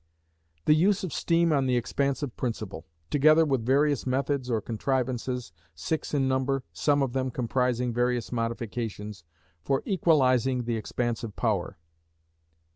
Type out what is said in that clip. The use of steam on the expansive principle; together with various methods or contrivances (six in number, some of them comprising various modifications), for equalising the expansive power.